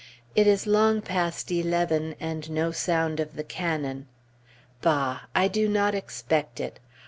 It is long past eleven, and no sound of the cannon. Bah! I do not expect it.